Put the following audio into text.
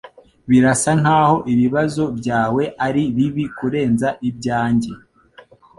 Birasa nkaho ibibazo byawe ari bibi kurenza ibyanjye.